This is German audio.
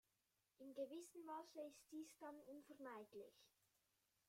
In gewissem Maße ist dies dann unvermeidlich.